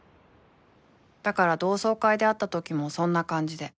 ［だから同窓会で会ったときもそんな感じで］